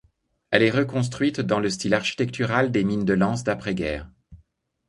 Elle est reconstruite dans le style architectural des mines de Lens d'après-guerre.